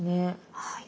はい。